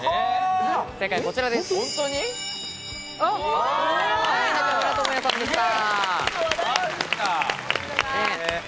正解はこちらです、中村倫也さんでした。